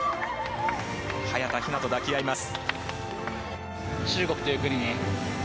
早田ひなと抱き合います。